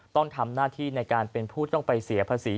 ต้องทำหน้าที่ในการเป็นผู้ต้องไปเสียภาษี